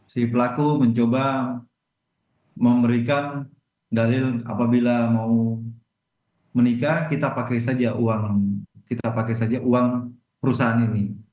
si pelaku mencoba memberikan dalil apabila mau menikah kita pakai saja uang perusahaan ini